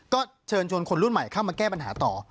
ก็เชิญชวนคนรุ่นใหม่เข้ามาแก้ปัญหาต่อ